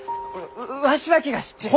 わしだけが知っちゅう。